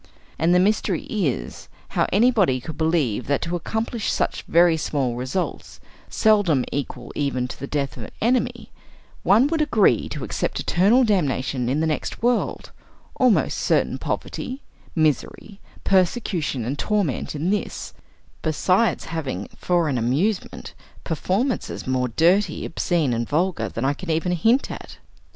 And the mystery is, how anybody could believe that to accomplish such very small results, seldom equal even to the death of an enemy, one would agree to accept eternal damnation in the next world, almost certain poverty, misery, persecution and torment in this, besides having for an amusement performances more dirty, obscene and vulgar than I can even hint at.